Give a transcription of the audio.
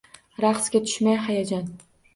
Raqsga tushmaydi hayajon